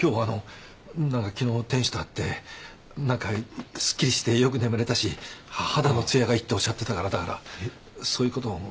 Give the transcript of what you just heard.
何か昨日天使と会って何かすっきりしてよく眠れたし肌の艶がいいっておっしゃってたからだからそういうことをねぇ。